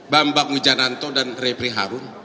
bambang mujananto dan repri harun